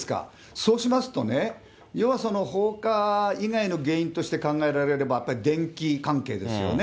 そうしますとね、要は放火以外の原因として考えられるのは、やっぱり電気関係ですよね。